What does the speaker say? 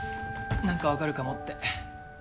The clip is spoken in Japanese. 何かわかるかもって。